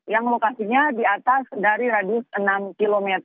yang lokasinya diatas dari radius enam km